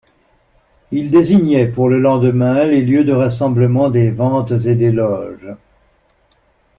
Il désignait, pour le lendemain, les lieux de rassemblement des Ventes et des Loges.